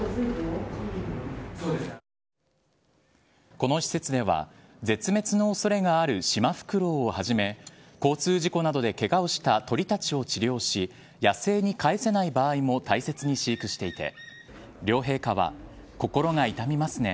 この施設では絶滅の恐れがあるシマフクロウをはじめ交通事故などでケガをした鳥たちを治療し野生に返せない場合も大切に飼育していて両陛下は、心が痛みますね